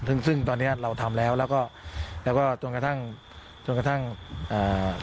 ซึ่งซึ่งตอนเนี้ยเราทำแล้วแล้วก็แล้วก็ต้องกระทั่งต้องกระทั่งอ่า